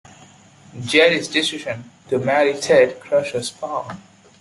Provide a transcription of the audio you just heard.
Jerry's decision to marry Ted crushes Paul.